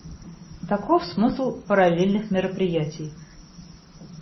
Таков смысл "параллельных мероприятий".